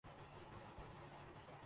یعنی global warming یا عالمی تپش